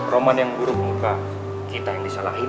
roman yang buruk muka kita yang disalahin